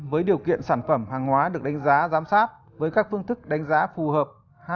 với điều kiện sản phẩm hàng hóa được đánh giá giám sát với các phương thức đánh giá phù hợp hai ba bốn năm sáu